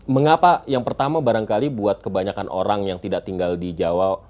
mengapa yang pertama barangkali buat kebanyakan orang yang tidak tinggal di jawa